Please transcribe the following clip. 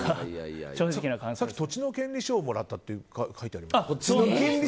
さっき土地の権利書をいただいたって書いてありましたよね。